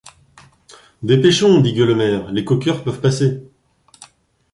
Dépêchons! dit Gueulemer, les coqueurs peuvent passer.